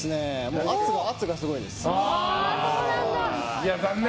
圧がすごいですね。